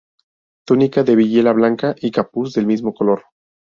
Túnica de villela blanca y capuz del mismo color.